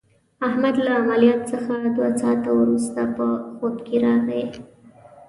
احمد له عملیات څخه دوه ساعته ورسته په خود کې راغی.